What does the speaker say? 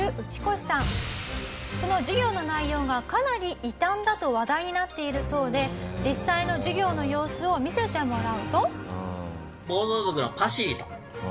その授業の内容がかなり異端だと話題になっているそうで実際の授業の様子を見せてもらうと。